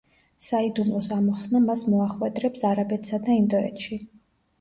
საიდუმლოს ამოხსნა მას მოახვედრებს არაბეთსა და ინდოეთში.